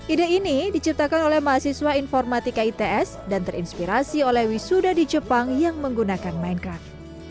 ide ini diciptakan oleh mahasiswa informatika its dan terinspirasi oleh wisuda di jepang yang menggunakan mindcraft